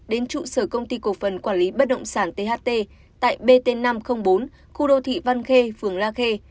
đến trụ sở công ty cổ phần quản lý bất động sản tht tại bt năm trăm linh bốn khu đô thị văn khê phường la khê